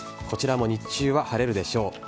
こちらも日中は晴れるでしょう。